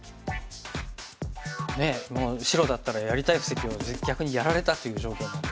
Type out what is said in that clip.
ねえもう白だったらやりたい布石を逆にやられたという状況なんですが。